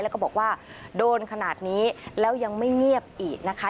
แล้วก็บอกว่าโดนขนาดนี้แล้วยังไม่เงียบอีกนะคะ